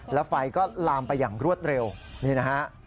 แล้วไฟก็ลามไปอย่างรวดเร็วนี่นะฮะ